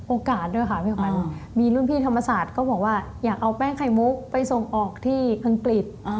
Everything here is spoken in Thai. ด้วยค่ะพี่ขวัญมีรุ่นพี่ธรรมศาสตร์ก็บอกว่าอยากเอาแป้งไข่มุกไปส่งออกที่อังกฤษ